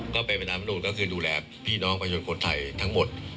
ก็เป็นไปตามลำนูนก็คือดูแลพี่น้องประชาชนคนไทยทั้งหมด